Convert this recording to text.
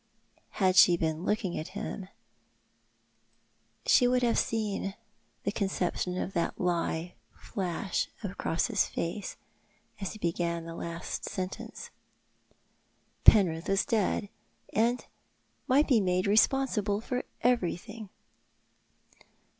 Had she been looking at him she would have seen the 312 Thou art the Man. conception of that lie flash across his face as he began the last sentence. Penrith was dead, and might be made responsible for every thing.